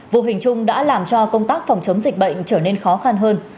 vô hình chung đã làm cho công tác phòng chống dịch bệnh trở nên khó khăn hơn